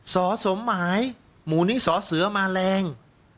สมหมายหมู่นิสอเสือมาแรง